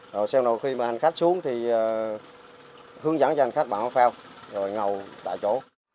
rồi sau đó khi mà hành khách xuống thì hướng dẫn cho hành khách bằng áo phao rồi ngầu tại chỗ